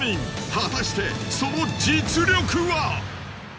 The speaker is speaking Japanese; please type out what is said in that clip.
果たしてその実力は？